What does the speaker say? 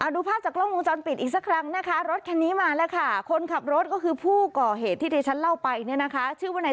ดูภาพจากกรองมูลจำปิดอีกสักครั้งนะคะรถยังเป็นรถจะใช่มาแล้วค่ะคนขับรถก็คือผู้ก่อเหตุที่ชั้นเล่าไปเนี่ยนะคะชื่อวนาย